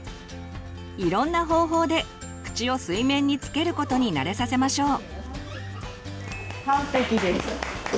いろんな方法で口を水面につけることに慣れさせましょう。